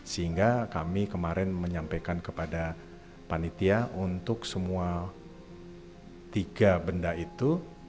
sehingga kami kemarin menyampaikan kepada panitia untuk semua tiga benda itu